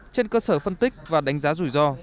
trên cơ sở phân tích và đánh giá rủi ro